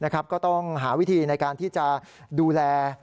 ก็ต้องหาวิธีในการที่จะดูแล